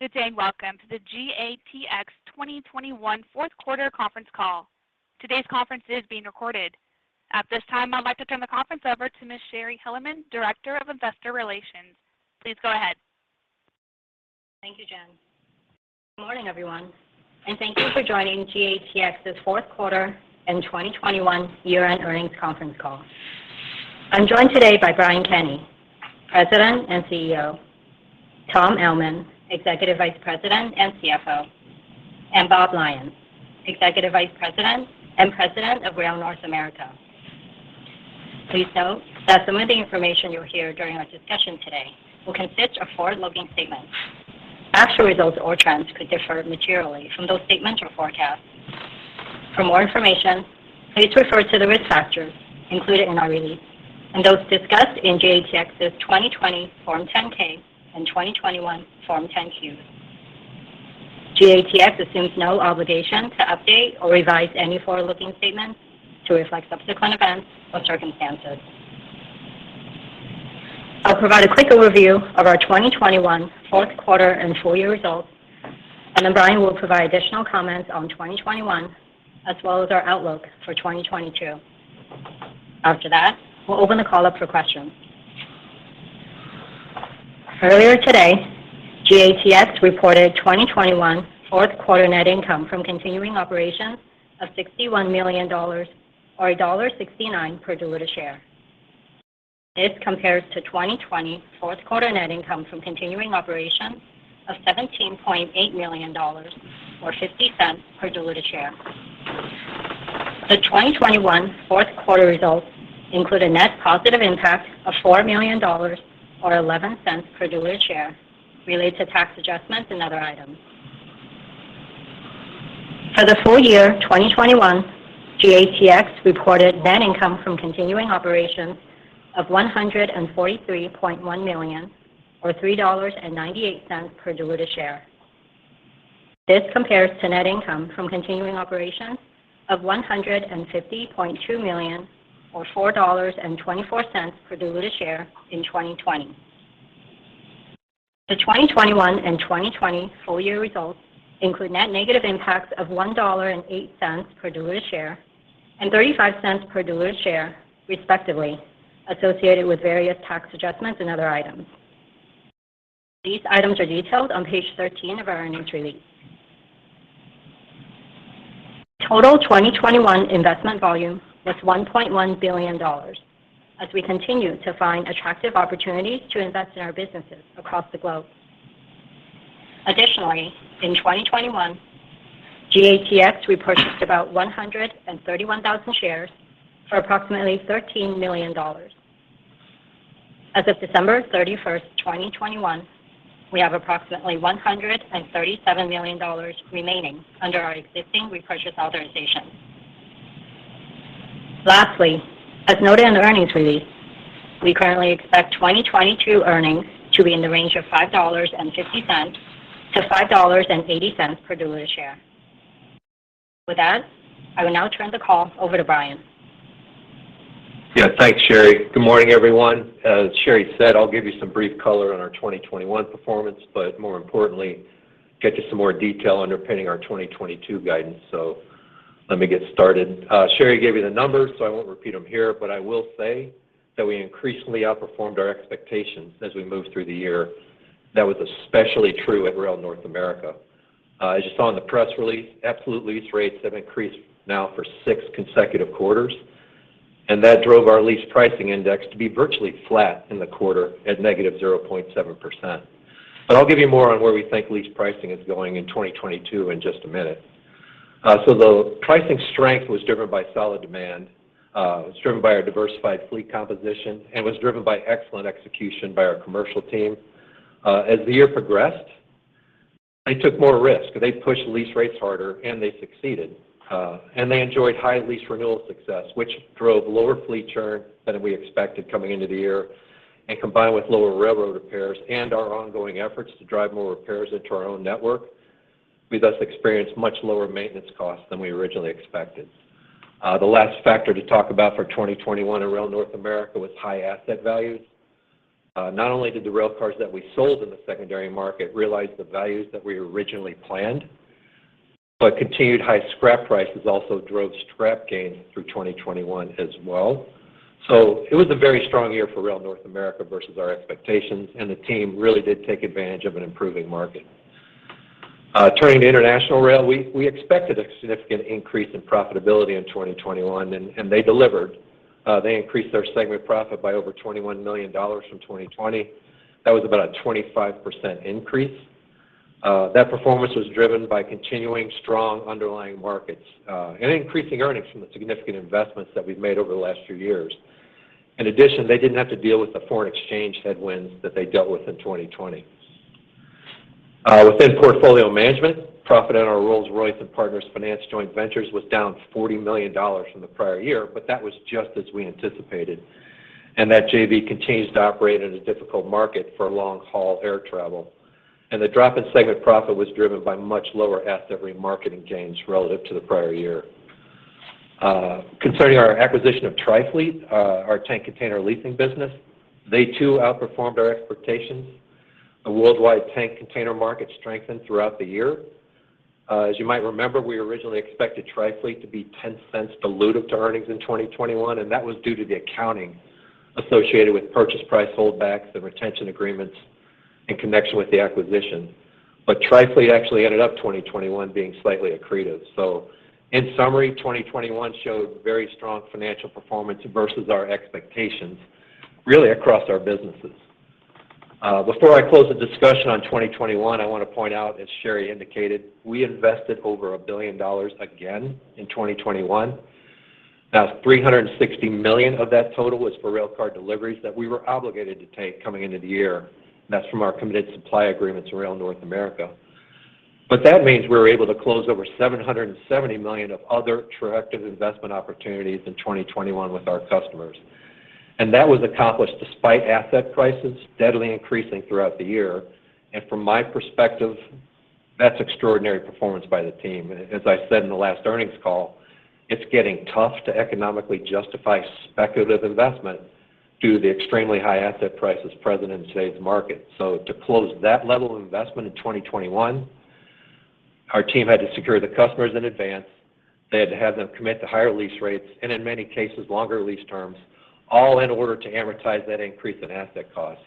Good day and welcome to the GATX 2021 fourth quarter conference call. Today's conference is being recorded. At this time, I'd like to turn the conference over to Shari Hellerman, Director of Investor Relations. Please go ahead. Thank you, Jen. Good morning, everyone, and thank you for joining GATX's fourth quarter and 2021 year-end earnings conference call. I'm joined today by Brian Kenney, President and CEO, Tom Ellman, Executive Vice President and CFO, and Bob Lyons, Executive Vice President and President of Rail North America. Please note that some of the information you'll hear during our discussion today will consist of forward-looking statements. Actual results or trends could differ materially from those statements or forecasts. For more information, please refer to the risk factors included in our release and those discussed in GATX's 2020 Form 10-K and 2021 Form 10-Q. GATX assumes no obligation to update or revise any forward-looking statements to reflect subsequent events or circumstances. I'll provide a quick overview of our 2021 fourth quarter and full year results, and then Brian will provide additional comments on 2021 as well as our outlook for 2022. After that, we'll open the call up for questions. Earlier today, GATX reported 2021 fourth quarter net income from continuing operations of $61 million or $1.69 per diluted share. This compares to 2020 fourth quarter net income from continuing operations of $17.8 million or $0.50 per diluted share. The 2021 fourth quarter results include a net positive impact of $4 million or $0.11 per diluted share related to tax adjustments and other items. For the full year 2021, GATX reported net income from continuing operations of $143.1 million or $3.98 per diluted share. This compares to net income from continuing operations of $150.2 million or $4.24 per diluted share in 2020. The 2021 and 2020 full year results include net negative impacts of $1.08 per diluted share and $0.35 per diluted share, respectively, associated with various tax adjustments and other items. These items are detailed on page 13 of our earnings release. Total 2021 investment volume was $1.1 billion as we continue to find attractive opportunities to invest in our businesses across the globe. Additionally, in 2021, GATX repurchased about 131,000 shares for approximately $13 million. As of December 31, 2021, we have approximately $137 million remaining under our existing repurchase authorization. Lastly, as noted in the earnings release, we currently expect 2022 earnings to be in the range of $5.50-$5.80 per diluted share. With that, I will now turn the call over to Brian. Yeah. Thanks, Sherry. Good morning, everyone. As Sherry said, I'll give you some brief color on our 2021 performance, but more importantly, get to some more detail underpinning our 2022 guidance. Let me get started. Sherry gave you the numbers, so I won't repeat them here, but I will say that we increasingly outperformed our expectations as we moved through the year. That was especially true at Rail North America. As you saw in the press release, absolute lease rates have increased now for six consecutive quarters, and that drove our Lease Price Index to be virtually flat in the quarter at -0.7%. I'll give you more on where we think lease pricing is going in 2022 in just a minute. The pricing strength was driven by solid demand, was driven by our diversified fleet composition, and was driven by excellent execution by our commercial team. As the year progressed, they took more risks. They pushed lease rates harder, and they succeeded. They enjoyed high lease renewal success, which drove lower fleet churn than we expected coming into the year. Combined with lower railroad repairs and our ongoing efforts to drive more repairs into our own network, we thus experienced much lower maintenance costs than we originally expected. The last factor to talk about for 2021 in Rail North America was high asset values. Not only did the railcars that we sold in the secondary market realize the values that we originally planned, but continued high scrap prices also drove scrap gains through 2021 as well. It was a very strong year for Rail North America versus our expectations, and the team really did take advantage of an improving market. Turning to Rail International, we expected a significant increase in profitability in 2021, and they delivered. They increased their segment profit by over $21 million from 2020. That was about a 25% increase. That performance was driven by continuing strong underlying markets and increasing earnings from the significant investments that we've made over the last few years. In addition, they didn't have to deal with the foreign exchange headwinds that they dealt with in 2020. Within Portfolio Management, profit on our Rolls-Royce and Partners Finance joint ventures was down $40 million from the prior year, but that was just as we anticipated, and that JV continues to operate in a difficult market for long-haul air travel. The drop in segment profit was driven by much lower asset remarketing gains relative to the prior year. Concerning our acquisition of Trifleet, our tank container leasing business, they too outperformed our expectations. A worldwide tank container market strengthened throughout the year. As you might remember, we originally expected Trifleet to be $0.10 dilutive to earnings in 2021, and that was due to the accounting associated with purchase price holdbacks and retention agreements in connection with the acquisition. Trifleet actually ended up 2021 being slightly accretive. In summary, 2021 showed very strong financial performance versus our expectations really across our businesses. Before I close the discussion on 2021, I wanna point out, as Sherry indicated, we invested over $1 billion again in 2021. Now, $360 million of that total was for railcar deliveries that we were obligated to take coming into the year. That's from our committed supply agreements with Rail North America. That means we were able to close over $770 million of other attractive investment opportunities in 2021 with our customers. That was accomplished despite asset prices steadily increasing throughout the year. From my perspective, that's extraordinary performance by the team. As I said in the last earnings call, it's getting tough to economically justify speculative investment due to the extremely high asset prices present in today's market. To close that level of investment in 2021, our team had to secure the customers in advance. They had to have them commit to higher lease rates, and in many cases, longer lease terms, all in order to amortize that increase in asset costs.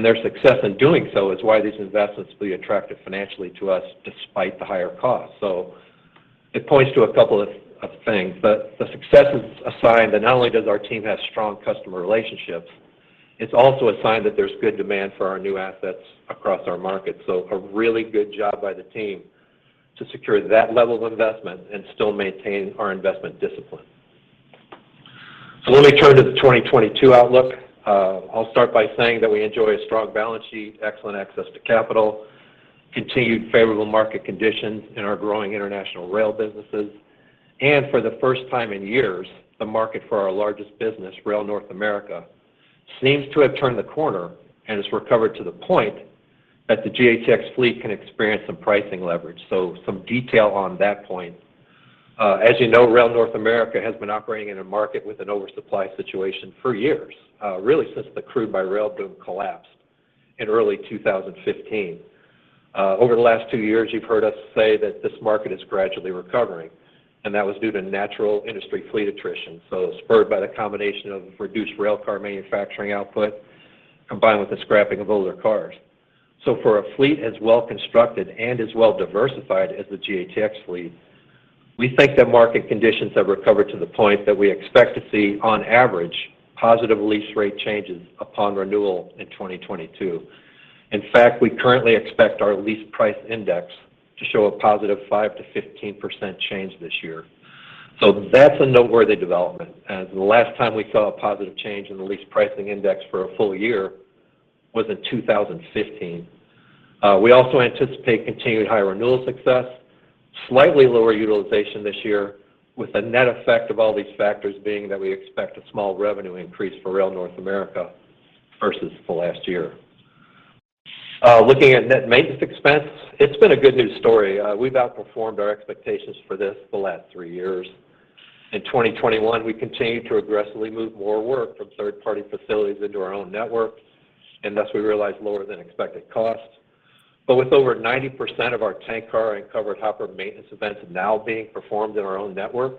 Their success in doing so is why these investments will be attractive financially to us despite the higher cost. It points to a couple of things, but the success is a sign that not only does our team have strong customer relationships, it's also a sign that there's good demand for our new assets across our market. A really good job by the team to secure that level of investment and still maintain our investment discipline. Let me turn to the 2022 outlook. I'll start by saying that we enjoy a strong balance sheet, excellent access to capital, continued favorable market conditions in our growing international rail businesses, and for the first time in years, the market for our largest business, Rail North America, seems to have turned the corner and has recovered to the point that the GATX fleet can experience some pricing leverage. Some detail on that point. As you know, Rail North America has been operating in a market with an oversupply situation for years, really since the crude by rail boom collapsed in early 2015. Over the last two years, you've heard us say that this market is gradually recovering, and that was due to natural industry fleet attrition, so spurred by the combination of reduced railcar manufacturing output combined with the scrapping of older cars. For a fleet as well constructed and as well diversified as the GATX fleet, we think that market conditions have recovered to the point that we expect to see, on average, positive lease rate changes upon renewal in 2022. In fact, we currently expect our Lease Price Index to show a positive 5%-15% change this year. That's a noteworthy development, as the last time we saw a positive change in the Lease Price Index for a full year was in 2015. We also anticipate continued high renewal success, slightly lower utilization this year, with the net effect of all these factors being that we expect a small revenue increase for Rail North America versus the last year. Looking at net maintenance expense, it's been a good news story. We've outperformed our expectations for this the last three years. In 2021, we continued to aggressively move more work from third-party facilities into our own network, and thus we realized lower than expected costs. With over 90% of our tank car and covered hopper maintenance events now being performed in our own network,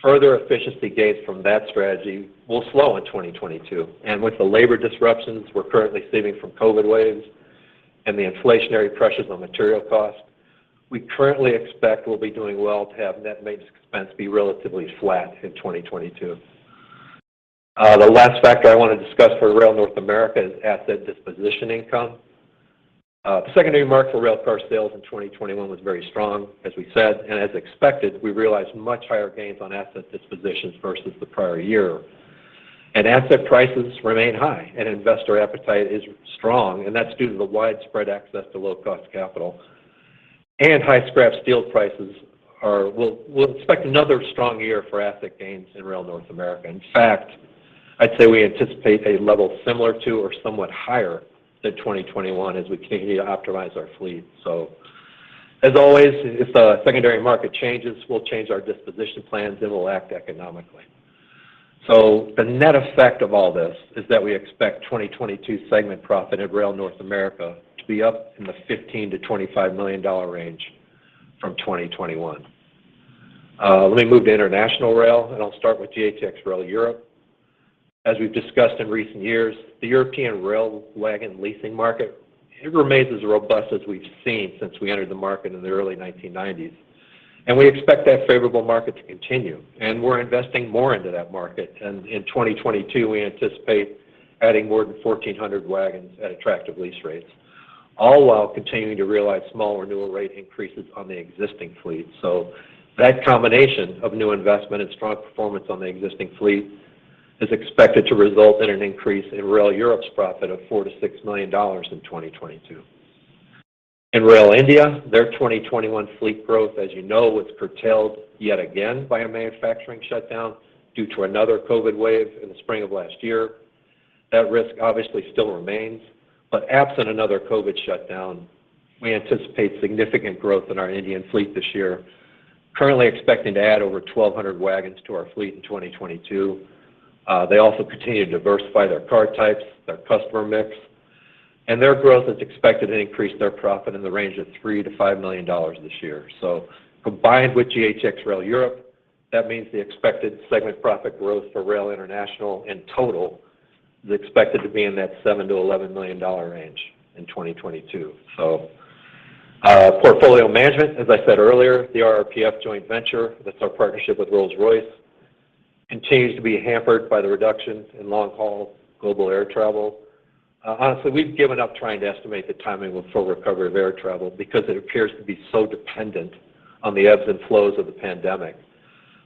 further efficiency gains from that strategy will slow in 2022. With the labor disruptions we're currently seeing from COVID waves and the inflationary pressures on material costs, we currently expect we'll be doing well to have net maintenance expense be relatively flat in 2022. The last factor I wanna discuss for Rail North America is asset disposition income. The secondary market for railcar sales in 2021 was very strong, as we said, and as expected, we realized much higher gains on asset dispositions versus the prior year. Asset prices remain high and investor appetite is strong, and that's due to the widespread access to low-cost capital. High scrap steel prices. We'll expect another strong year for asset gains in Rail North America. In fact, I'd say we anticipate a level similar to or somewhat higher than 2021 as we continue to optimize our fleet. As always, if the secondary market changes, we'll change our disposition plans and we'll act economically. The net effect of all this is that we expect 2022 segment profit at Rail North America to be up in the $15 million-$25 million range from 2021. Let me move to Rail International, and I'll start with GATX Rail Europe. As we've discussed in recent years, the European rail wagon leasing market, it remains as robust as we've seen since we entered the market in the early 1990s, and we expect that favorable market to continue, and we're investing more into that market. In 2022, we anticipate adding more than 1,400 wagons at attractive lease rates, all while continuing to realize small renewal rate increases on the existing fleet. That combination of new investment and strong performance on the existing fleet is expected to result in an increase in Rail Europe's profit of $4 million-$6 million in 2022. In Rail India, their 2021 fleet growth, as you know, was curtailed yet again by a manufacturing shutdown due to another COVID wave in the spring of last year. That risk obviously still remains. Absent another COVID shutdown, we anticipate significant growth in our Indian fleet this year, currently expecting to add over 1,200 wagons to our fleet in 2022. They also continue to diversify their car types, their customer mix, and their growth is expected to increase their profit in the range of $3 million-$5 million this year. Combined with GATX Rail Europe, that means the expected segment profit growth for Rail International in total is expected to be in that $7 million-$11 million range in 2022. Portfolio Management, as I said earlier, the RRPF joint venture, that's our partnership with Rolls-Royce, continues to be hampered by the reduction in long-haul global air travel. Honestly, we've given up trying to estimate the timing of a full recovery of air travel because it appears to be so dependent on the ebbs and flows of the pandemic.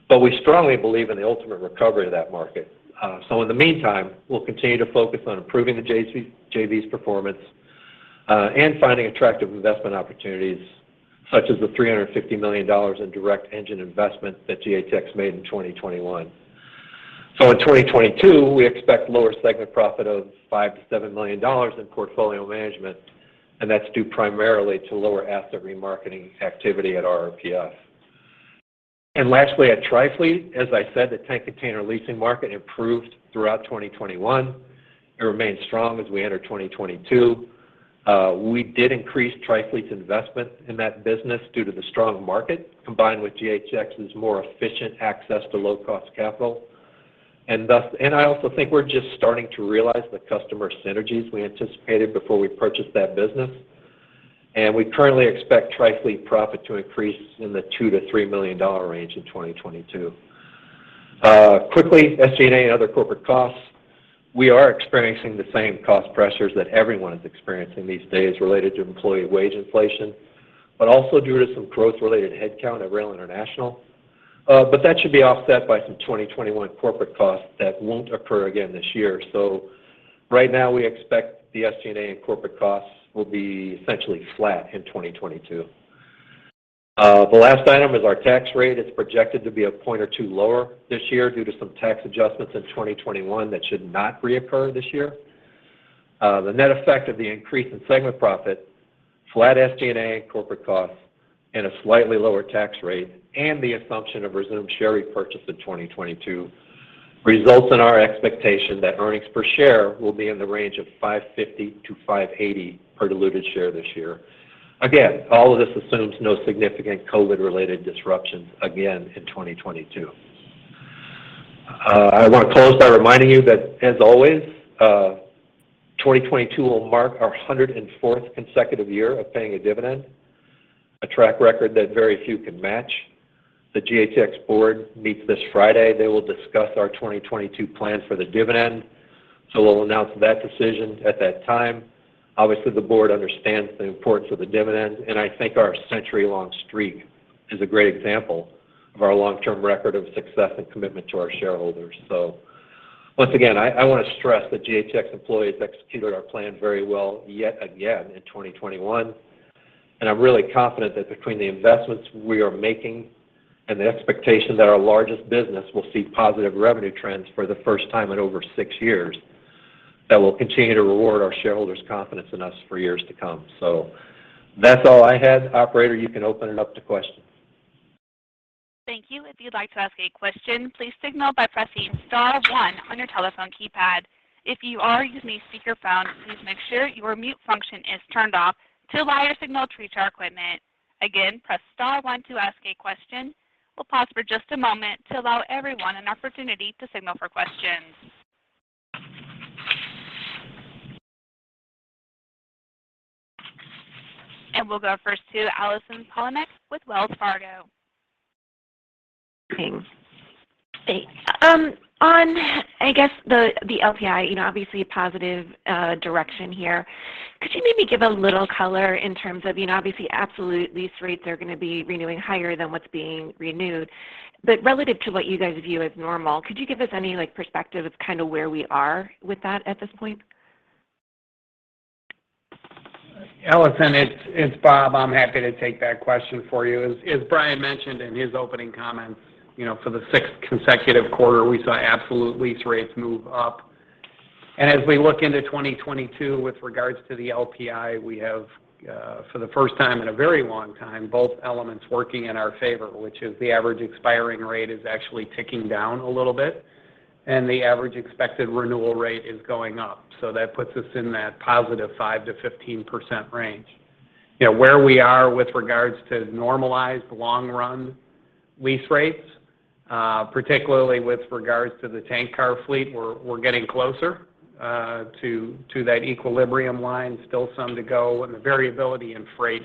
We strongly believe in the ultimate recovery of that market. In the meantime, we'll continue to focus on improving the JV's performance, and finding attractive investment opportunities, such as the $350 million in direct engine investment that GATX made in 2021. In 2022, we expect lower segment profit of $5 million-$7 million in Portfolio Management, and that's due primarily to lower asset remarketing activity at RRPF. Lastly, at Trifleet, as I said, the tank container leasing market improved throughout 2021. It remains strong as we enter 2022. We did increase Trifleet's investment in that business due to the strong market, combined with GATX's more efficient access to low-cost capital. I also think we're just starting to realize the customer synergies we anticipated before we purchased that business. We currently expect Trifleet profit to increase in the $2 million-$3 million range in 2022. Quickly, SG&A and other corporate costs. We are experiencing the same cost pressures that everyone is experiencing these days related to employee wage inflation, but also due to some growth-related headcount at Rail International. That should be offset by some 2021 corporate costs that won't occur again this year. Right now, we expect the SG&A and corporate costs will be essentially flat in 2022. The last item is our tax rate. It's projected to be a point or two lower this year due to some tax adjustments in 2021 that should not reoccur this year. The net effect of the increase in segment profit, flat SG&A and corporate costs, and a slightly lower tax rate, and the assumption of resumed share repurchase in 2022, results in our expectation that earnings per share will be in the range of $5.50-$5.80 per diluted share this year. Again, all of this assumes no significant COVID-related disruptions again in 2022. I want to close by reminding you that, as always, 2022 will mark our 104th consecutive year of paying a dividend, a track record that very few can match. The GATX board meets this Friday. They will discuss our 2022 plans for the dividend, so we'll announce that decision at that time. Obviously, the board understands the importance of the dividend, and I think our century-long streak is a great example of our long-term record of success and commitment to our shareholders. Once again, I wanna stress that GATX employees executed our plan very well yet again in 2021. I'm really confident that between the investments we are making and the expectation that our largest business will see positive revenue trends for the first time in over six years, that we'll continue to reward our shareholders' confidence in us for years to come. That's all I had. Operator, you can open it up to questions. Thank you. If you'd like to ask a question, please signal by pressing star one on your telephone keypad. If you are using a speakerphone, please make sure your mute function is turned off to allow your signal to reach our equipment. Again, press star one to ask a question. We'll pause for just a moment to allow everyone an opportunity to signal for questions. We'll go first to Allison Poliniak with Wells Fargo. Thanks. On, I guess, the LPI, you know, obviously a positive direction here. Could you maybe give a little color in terms of, you know, obviously absolute lease rates are gonna be renewing higher than what's being renewed. Relative to what you guys view as normal, could you give us any, like, perspective of kinda where we are with that at this point? Allison, it's Bob. I'm happy to take that question for you. As Brian mentioned in his opening comments, you know, for the sixth consecutive quarter, we saw absolute lease rates move up. As we look into 2022 with regards to the LPI, we have for the first time in a very long time, both elements working in our favor, which is the average expiring rate is actually ticking down a little bit, and the average expected renewal rate is going up. That puts us in that positive 5%-15% range. You know, where we are with regards to normalized long-run lease rates, particularly with regards to the tank car fleet, we're getting closer to that equilibrium line. Still some to go, and the variability in freight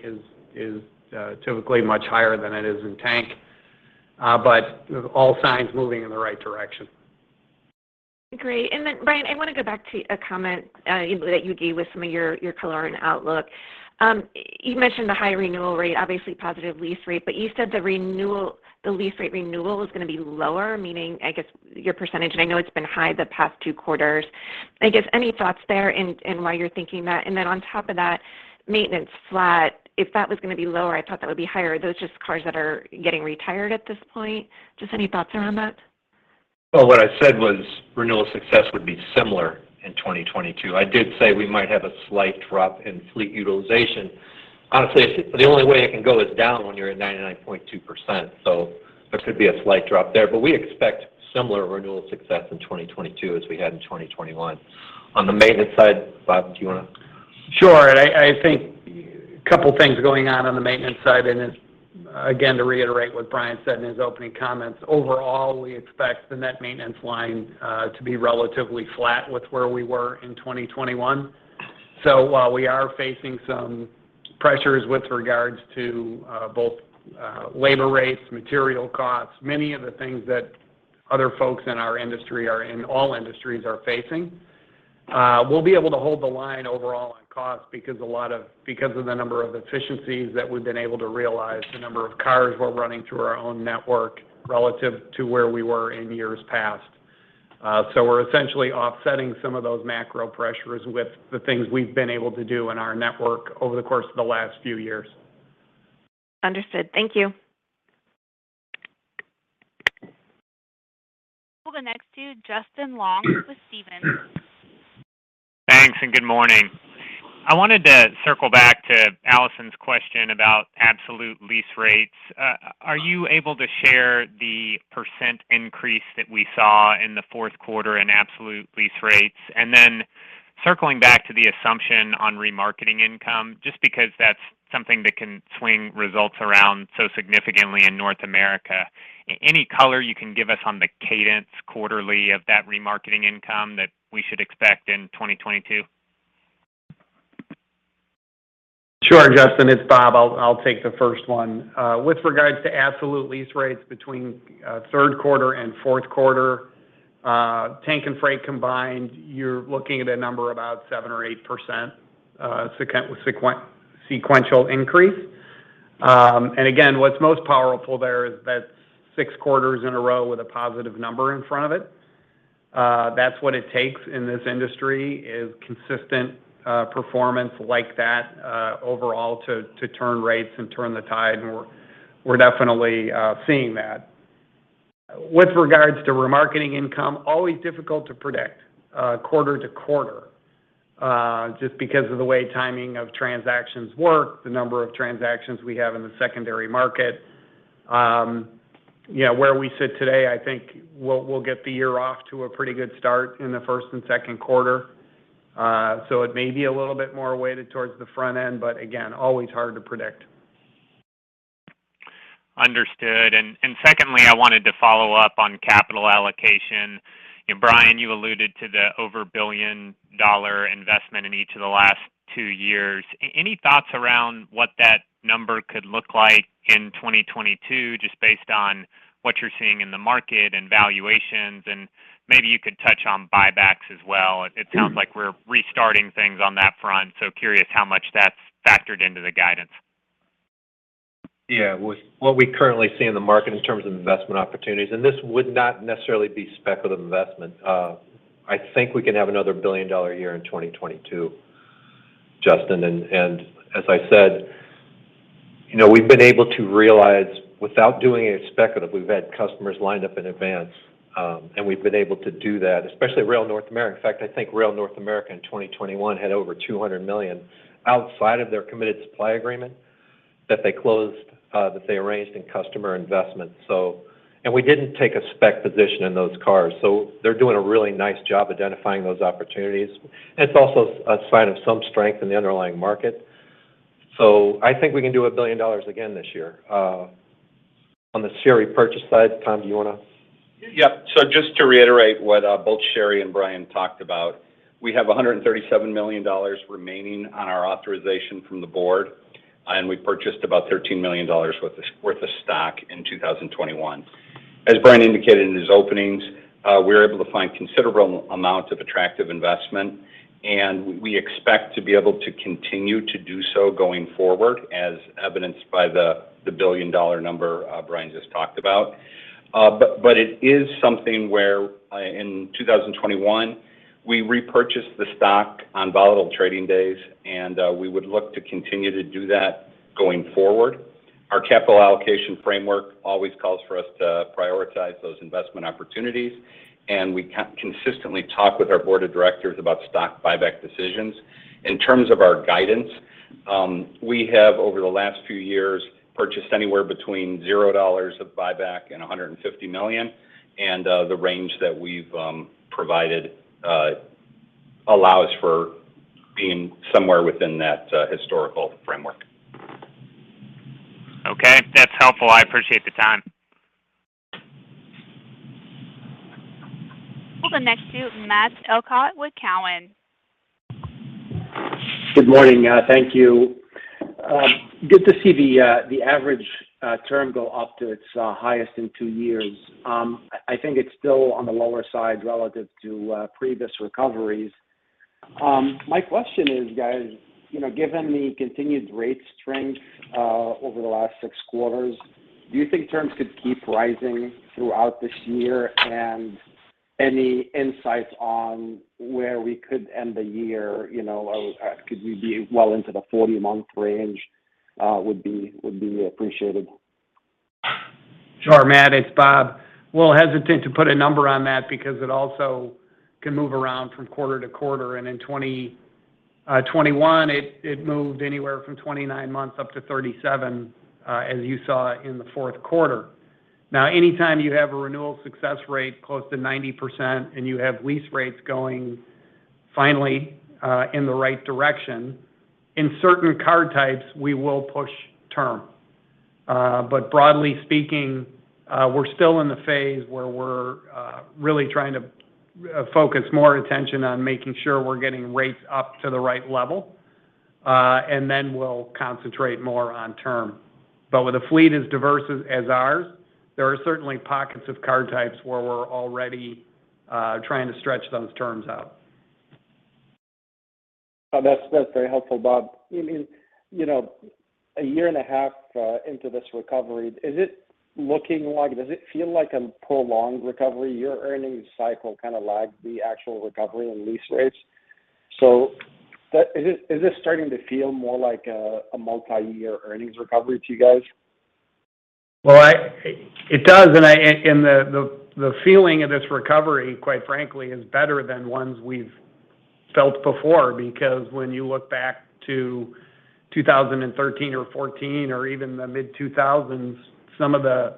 is typically much higher than it is in tank. All signs moving in the right direction. Great. Brian, I wanna go back to a comment that you gave with some of your color and outlook. You mentioned the high renewal rate, obviously positive lease rate, but you said the lease rate renewal is gonna be lower, meaning, I guess, your percentage, and I know it's been high the past two quarters. I guess any thoughts there in why you're thinking that? On top of that, maintenance flat. If that was gonna be lower, I thought that would be higher. Are those just cars that are getting retired at this point? Just any thoughts around that? Well, what I said was renewal success would be similar in 2022. I did say we might have a slight drop in fleet utilization. Honestly, the only way it can go is down when you're at 99.2%. There could be a slight drop there. We expect similar renewal success in 2022 as we had in 2021. On the maintenance side, Bob, do you wanna? Sure. I think a couple things going on on the maintenance side. Again, to reiterate what Brian said in his opening comments, overall, we expect the net maintenance line to be relatively flat with where we were in 2021. While we are facing some pressures with regards to both labor rates, material costs, many of the things that other folks in our industry are facing in all industries, we'll be able to hold the line overall on cost because of the number of efficiencies that we've been able to realize, the number of cars we're running through our own network relative to where we were in years past. We're essentially offsetting some of those macro pressures with the things we've been able to do in our network over the course of the last few years. Understood. Thank you. We'll go next to Justin Long with Stephens. Thanks, good morning. I wanted to circle back to Allison's question about absolute lease rates. Are you able to share the % increase that we saw in the fourth quarter in absolute lease rates? Circling back to the assumption on remarketing income, just because that's something that can swing results around so significantly in North America, any color you can give us on the cadence quarterly of that remarketing income that we should expect in 2022? Sure. Justin, it's Bob. I'll take the first one. With regards to absolute lease rates between third quarter and fourth quarter, tank and freight combined, you're looking at a number about seven or 8%, sequential increase. Again, what's most powerful there is that's six quarters in a row with a positive number in front of it. That's what it takes in this industry is consistent performance like that overall to turn rates and turn the tide, and we're definitely seeing that. With regards to remarketing income, always difficult to predict quarter to quarter just because of the way timing of transactions work, the number of transactions we have in the secondary market. You know, where we sit today, I think we'll get the year off to a pretty good start in the first and second quarter. It may be a little bit more weighted towards the front end, but again, always hard to predict. Understood. Secondly, I wanted to follow up on capital allocation. Brian, you alluded to the over-$1 billion investment in each of the last two years. Any thoughts around what that number could look like in 2022, just based on what you're seeing in the market and valuations? Maybe you could touch on buybacks as well. It sounds like we're restarting things on that front, so curious how much that's factored into the guidance. Yeah. With what we currently see in the market in terms of investment opportunities, and this would not necessarily be speculative investment, I think we can have another billion-dollar year in 2022, Justin. As I said, you know, we've been able to realize without doing any speculative, we've had customers lined up in advance, and we've been able to do that, especially Rail North America. In fact, I think Rail North America in 2021 had over $200 million outside of their committed supply agreement that they closed, that they arranged in customer investments. We didn't take a spec position in those cars, so they're doing a really nice job identifying those opportunities. It's also a sign of some strength in the underlying market. I think we can do $1 billion again this year. On the share repurchase side, Tom, do you wanna? Yeah. Just to reiterate what both Sherry and Brian talked about, we have $137 million remaining on our authorization from the board, and we purchased about $13 million worth of stock in 2021. As Brian indicated in his openings, we're able to find considerable amounts of attractive investment, and we expect to be able to continue to do so going forward, as evidenced by the billion-dollar number Brian just talked about. But it is something where, in 2021, we repurchased the stock on volatile trading days, and we would look to continue to do that going forward. Our capital allocation framework always calls for us to prioritize those investment opportunities, and we consistently talk with our board of directors about stock buyback decisions. In terms of our guidance, we have over the last few years purchased anywhere between $0 of buyback and $150 million, and the range that we've provided allows for being somewhere within that historical framework. Okay. That's helpful. I appreciate the time. We'll go next to Matt Elkott with Cowen. Good morning. Thank you. Good to see the average term go up to its highest in two years. I think it's still on the lower side relative to previous recoveries. My question is, guys, you know, given the continued rate strength over the last six quarters, do you think terms could keep rising throughout this year? Any insights on where we could end the year, you know, or could we be well into the 40-month range? Would be appreciated. Sure, Matt, it's Bob. Little hesitant to put a number on that because it also can move around from quarter to quarter. In 2021, it moved anywhere from 29 months up to 37, as you saw in the fourth quarter. Now, anytime you have a renewal success rate close to 90% and you have lease rates going finally in the right direction, in certain car types, we will push term. Broadly speaking, we're still in the phase where we're really trying to focus more attention on making sure we're getting rates up to the right level, and then we'll concentrate more on term. With a fleet as diverse as ours, there are certainly pockets of car types where we're already trying to stretch those terms out. That's very helpful, Bob. You mean, you know, a year and a half into this recovery, is it looking like, does it feel like a prolonged recovery? Your earnings cycle kind of lagged the actual recovery and lease rates. Is this starting to feel more like a multi-year earnings recovery to you guys? It does, and the feeling of this recovery, quite frankly, is better than ones we've felt before because when you look back to 2013 or 2014 or even the mid-2000s, some of the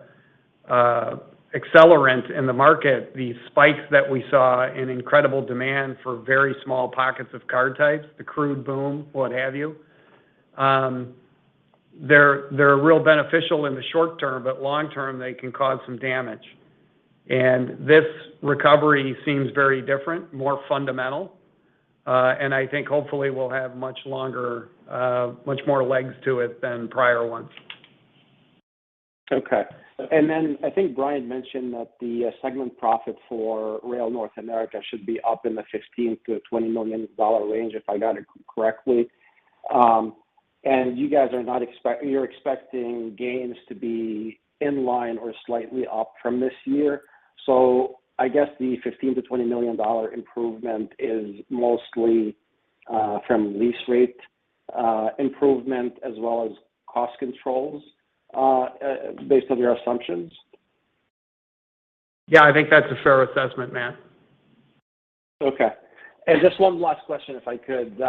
accelerant in the market, the spikes that we saw in incredible demand for very small pockets of car types, the crude boom, what have you, they're real beneficial in the short term, but long term, they can cause some damage. This recovery seems very different, more fundamental. I think hopefully we'll have much longer, much more legs to it than prior ones. Okay. I think Brian mentioned that the segment profit for Rail North America should be up in the $15 million-$20 million range, if I got it correctly. You're expecting gains to be in line or slightly up from this year. I guess the $15 million-$20 million improvement is mostly from lease rate improvement as well as cost controls based on your assumptions. Yeah, I think that's a fair assessment, Matt. Okay. Just one last question, if I could.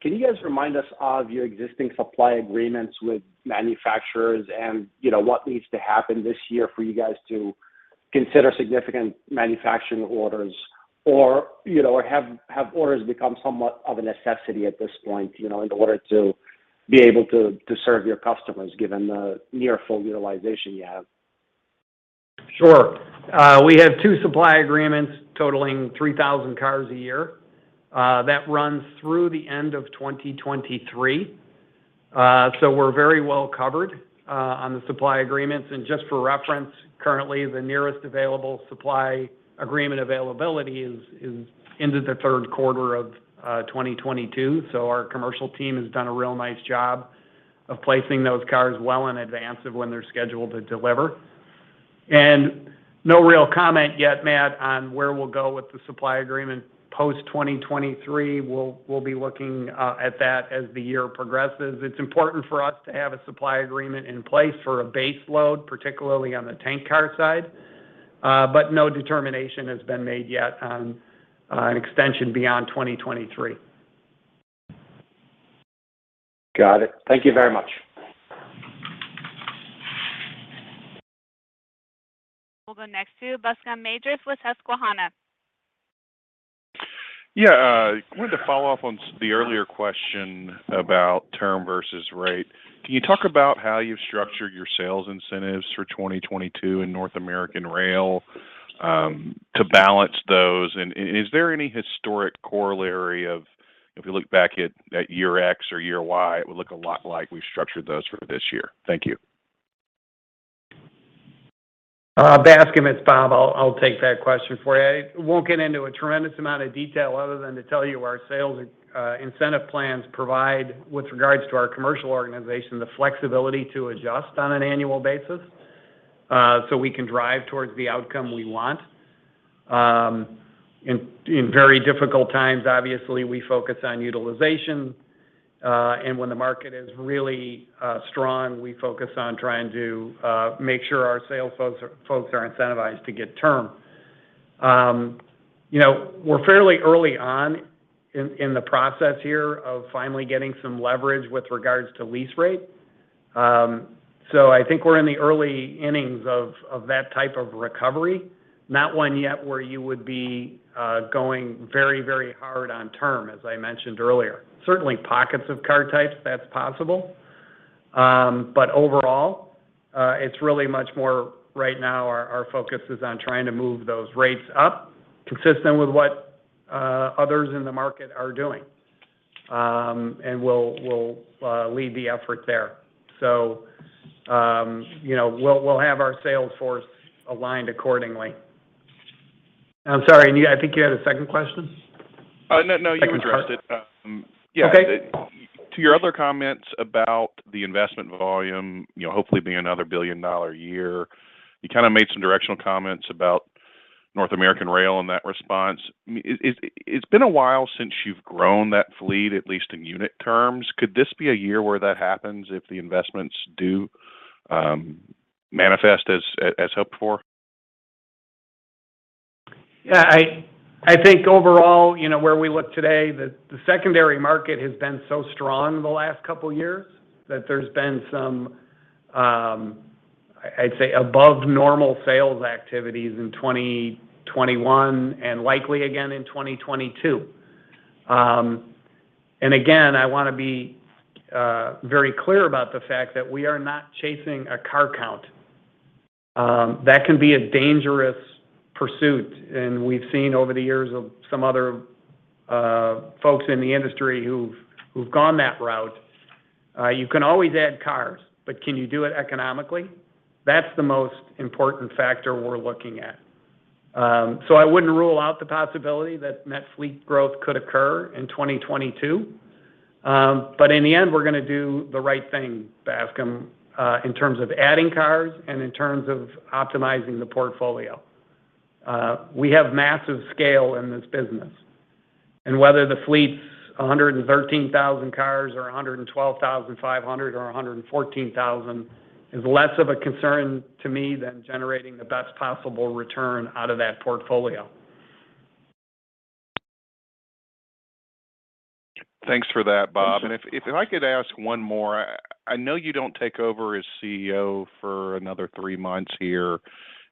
Can you guys remind us of your existing supply agreements with manufacturers and, you know, what needs to happen this year for you guys to consider significant manufacturing orders? Or, you know, have orders become somewhat of a necessity at this point, you know, in order to be able to serve your customers given the near full utilization you have? Sure. We have two supply agreements totaling 3,000 cars a year that runs through the end of 2023. We're very well covered on the supply agreements. Just for reference, currently the nearest available supply agreement availability is into the third quarter of 2022. Our commercial team has done a real nice job of placing those cars well in advance of when they're scheduled to deliver. No real comment yet, Matt, on where we'll go with the supply agreement post-2023. We'll be looking at that as the year progresses. It's important for us to have a supply agreement in place for a base load, particularly on the tank car side. No determination has been made yet on an extension beyond 2023. Got it. Thank you very much. We'll go next to Bascome Majors with Susquehanna. Yeah, wanted to follow up on the earlier question about term versus rate. Can you talk about how you've structured your sales incentives for 2022 in Rail North America to balance those? Is there any historic corollary of, if you look back at year X or year Y, it would look a lot like we structured those for this year? Thank you. Bascome, it's Bob. I'll take that question for you. I won't get into a tremendous amount of detail other than to tell you our sales incentive plans provide, with regards to our commercial organization, the flexibility to adjust on an annual basis, so we can drive towards the outcome we want. In very difficult times, obviously, we focus on utilization, and when the market is really strong, we focus on trying to make sure our sales folks are incentivized to get term. You know, we're fairly early on in the process here of finally getting some leverage with regards to lease rate. So I think we're in the early innings of that type of recovery, not one yet where you would be going very, very hard on term, as I mentioned earlier. Certainly pockets of car types, that's possible. But overall, it's really much more right now our focus is on trying to move those rates up consistent with what others in the market are doing. And we'll lead the effort there. You know, we'll have our sales force aligned accordingly. I'm sorry, and you, I think you had a second question? No, you addressed it. Yeah. Okay. To your other comments about the investment volume, you know, hopefully being another $1 billion year, you kind of made some directional comments about Rail North America in that response. It's been a while since you've grown that fleet, at least in unit terms. Could this be a year where that happens if the investments do manifest as hoped for? Yeah. I think overall, you know, where we look today, the secondary market has been so strong the last couple years that there's been some, I'd say above normal sales activities in 2021, and likely again in 2022. Again, I wanna be very clear about the fact that we are not chasing a car count. That can be a dangerous pursuit, and we've seen over the years of some other folks in the industry who've gone that route. You can always add cars, but can you do it economically? That's the most important factor we're looking at. I wouldn't rule out the possibility that net fleet growth could occur in 2022. In the end, we're gonna do the right thing, Bascome, in terms of adding cars and in terms of optimizing the portfolio. We have massive scale in this business, and whether the fleet's 113,000 cars or 112,500 or 114,000 is less of a concern to me than generating the best possible return out of that portfolio. Thanks for that, Bob. Thanks. If I could ask one more. I know you don't take over as CEO for another three months here,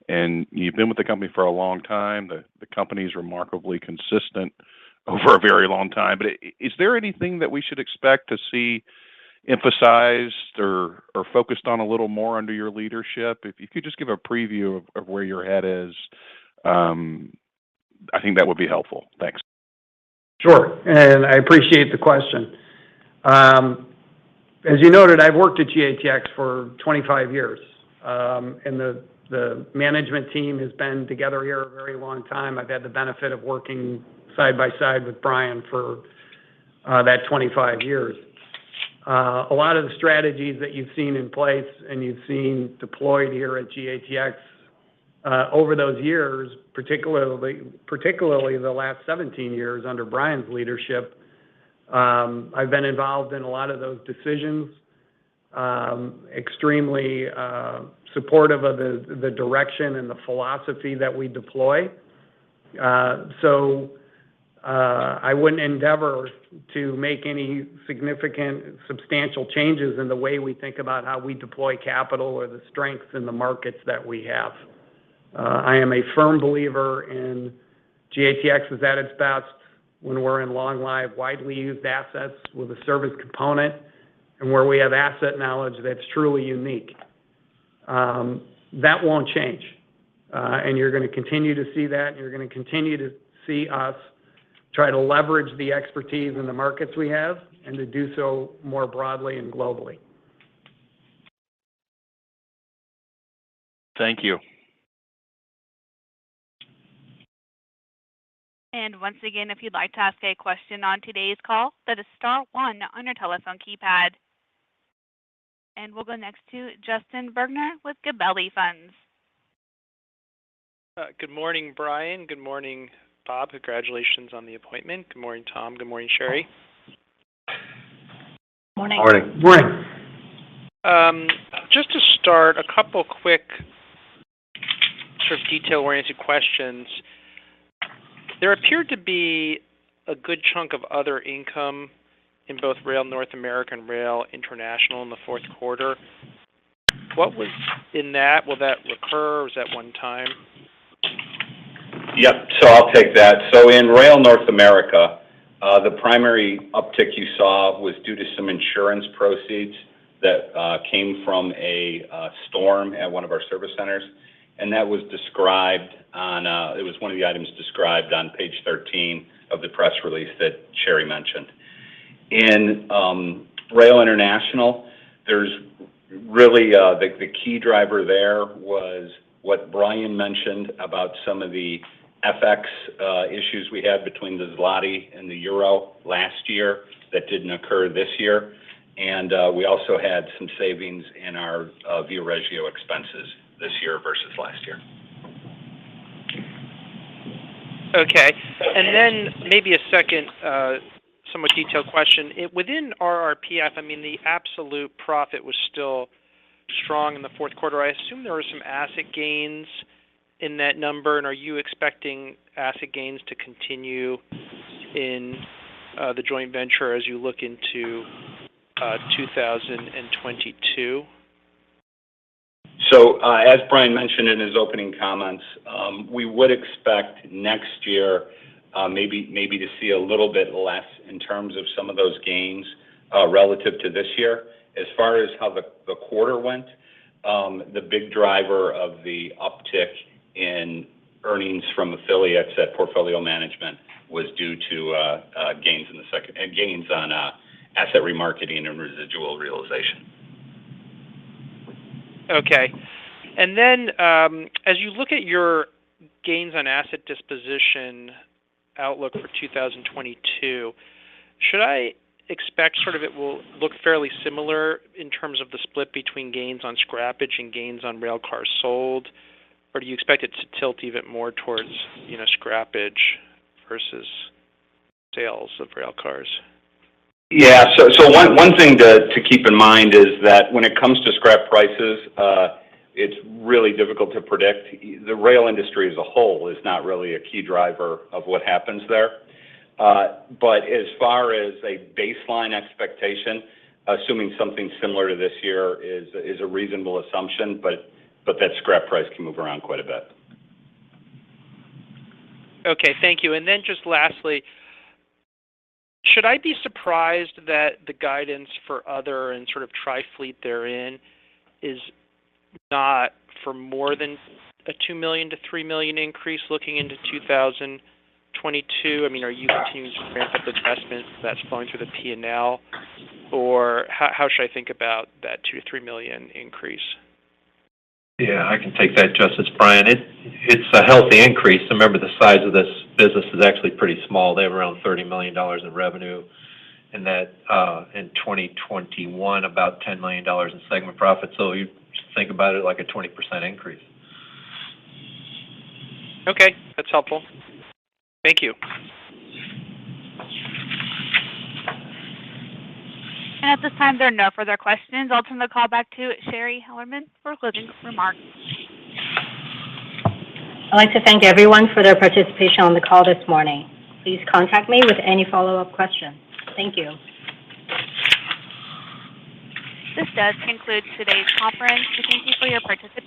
and you've been with the company for a long time. The company's remarkably consistent over a very long time. But is there anything that we should expect to see emphasized or focused on a little more under your leadership? If you could just give a preview of where your head is, I think that would be helpful. Thanks. Sure. I appreciate the question. As you noted, I've worked at GATX for 25 years, and the management team has been together here a very long time. I've had the benefit of working side by side with Brian for that 25 years. A lot of the strategies that you've seen in place and you've seen deployed here at GATX over those years, particularly the last 17 years under Brian's leadership, I've been involved in a lot of those decisions. Extremely supportive of the direction and the philosophy that we deploy. I wouldn't endeavor to make any significant substantial changes in the way we think about how we deploy capital or the strengths in the markets that we have. I am a firm believer that GATX is at its best when we're in long life, widely used assets with a service component and where we have asset knowledge that's truly unique. That won't change. You're gonna continue to see that, and you're gonna continue to see us try to leverage the expertise in the markets we have and to do so more broadly and globally. Thank you. Once again, if you'd like to ask a question on today's call, that is star one on your telephone keypad. We'll go next to Justin Bergner with Gabelli Funds. Good morning, Brian. Good morning, Bob. Congratulations on the appointment. Good morning, Tom. Good morning, Shari. Morning. Morning. Morning. Just to start, a couple quick sort of detail-oriented questions. There appeared to be a good chunk of other income in both Rail North America and Rail International in the fourth quarter. What was in that? Will that recur, or was that one time? I'll take that. In Rail North America, the primary uptick you saw was due to some insurance proceeds that came from a storm at one of our service centers. That was described. It was one of the items described on page 13 of the press release that Sherry mentioned. In Rail International, there's really the key driver there was what Brian mentioned about some of the FX issues we had between the zloty and the euro last year that didn't occur this year. We also had some savings in our Aivario expenses this year versus last year. Okay. Maybe a second, somewhat detailed question. Within RRPF, I mean, the absolute profit was still strong in the fourth quarter. I assume there were some asset gains in that number, and are you expecting asset gains to continue in the joint venture as you look into 2022? As Brian mentioned in his opening comments, we would expect next year, maybe, to see a little bit less in terms of some of those gains, relative to this year. As far as how the quarter went, the big driver of the uptick in earnings from affiliates at Portfolio Management was due to gains on asset remarketing and residual realization. Okay. As you look at your gains on asset disposition outlook for 2022, should I expect sort of it will look fairly similar in terms of the split between gains on scrappage and gains on railcars sold, or do you expect it to tilt even more towards, you know, scrappage versus sales of railcars? Yeah. One thing to keep in mind is that when it comes to scrap prices, it's really difficult to predict. The rail industry as a whole is not really a key driver of what happens there. But as far as a baseline expectation, assuming something similar to this year is a reasonable assumption, but that scrap price can move around quite a bit. Okay, thank you. Just lastly, should I be surprised that the guidance for other and sort of Trifleet therein is not for more than a $2 million-$3 million increase looking into 2022? I mean, are you continuing to ramp up investments that's flowing through the P&L, or how should I think about that $2 million-$3 million increase? Yeah, I can take that, Justin. It's Brian. It's a healthy increase. Remember, the size of this business is actually pretty small. They have around $30 million in revenue in that in 2021, about $10 million in segment profit. So you think about it like a 20% increase. Okay, that's helpful. Thank you. At this time, there are no further questions. I'll turn the call back to Shari Hellerman for closing remarks. I'd like to thank everyone for their participation on the call this morning. Please contact me with any follow-up questions. Thank you. This does conclude today's conference. We thank you for your participation.